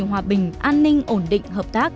hòa bình an ninh ổn định hợp tác